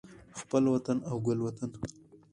خپل وطن او ګل وطن